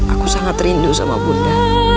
aku sangat rindu sama bunda